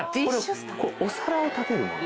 お皿を立てるもの。